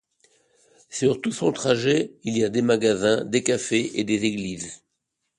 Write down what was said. Sur tout son trajet, il y a des magasins, des cafés et des églises.